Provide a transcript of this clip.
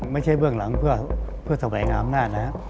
ไม่ใช่เบื้องหลังเพื่อสวัสดิ์งามนาฏนะครับ